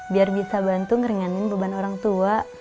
biar bisa bantu ngeringanin beban orang tua